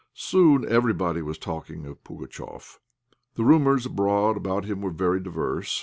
Soon everybody was talking of Pugatchéf. The rumours abroad about him were very diverse.